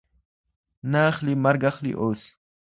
نه اخلي مرګ اخلي اوس